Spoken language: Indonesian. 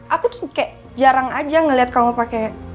aku tuh kayak jarang aja ngeliat kamu pakai